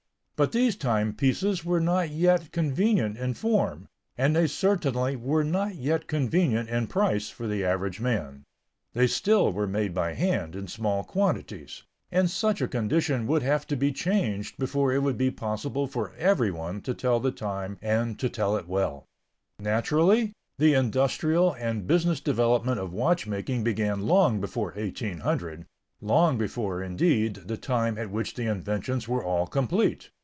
But these timepieces were not yet convenient in form, and they certainly were not yet convenient in price for the average man. They still were made by hand in small quantities, and such a condition would have to be changed before it would be possible for everyone to tell the time and to tell it well. Naturally, the industrial and business development of watchmaking began long before 1800, long before, indeed, the time at which the inventions were all complete.